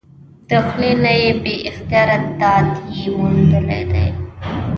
د خلي نه بې اختياره داد ئې موندلے دے ۔